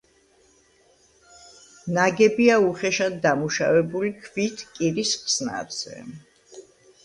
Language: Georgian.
ნაგებია უხეშად დამუშავებული ქვით კირის ხსნარზე.